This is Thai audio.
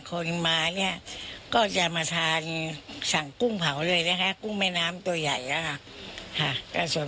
คนมาเนี่ยก็จะมาทานสั่งกุ้งเผาเลยนะคะกุ้งแม่น้ำตัวใหญ่อะค่ะ